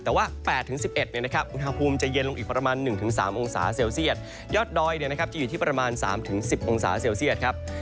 แต่ว่า๘๑๑อุณหภูมิจะเย็นลงอีกประมาณ๑๓องศาเซลเซียตยอดดอยจะอยู่ที่ประมาณ๓๑๐องศาเซลเซียตครับ